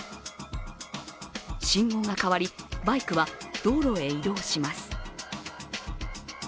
信号が変わり、バイクは道路へ移動します。